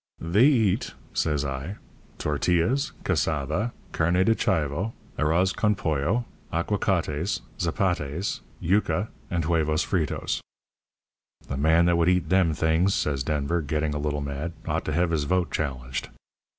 "'They eat,' says I, 'tortillas, cassava, carne de chivo, arroz con pollo, aquacates, zapates, yucca, and huevos fritos.' "'A man that would eat them things,' says Denver, getting a little mad, 'ought to have his vote challenged.'